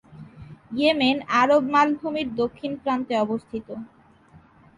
Yemen আরব মালভূমির দক্ষিণ প্রান্তে অবস্থিত।